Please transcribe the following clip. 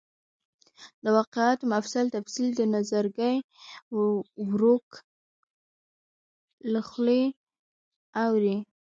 د واقعاتو مفصل تفصیل د نظرګي ورورک له خولې اوري.